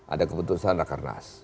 ada keputusan rakernas